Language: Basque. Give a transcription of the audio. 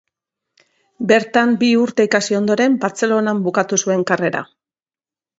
Bertan bi urte ikasi ondoren Bartzelonan bukatu zuen karrera.